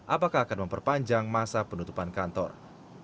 apakah akan memperpanjang masa penutupan kantor